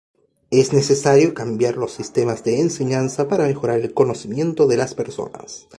Es necesario cambiar los sistemas de enseñanza para mejorar el conocimiento de las personas.